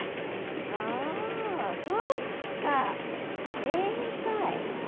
ああ、そっか、携帯。